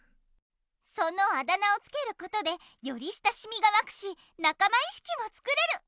そのあだ名をつけることでより親しみがわくしなかまいしきも作れる！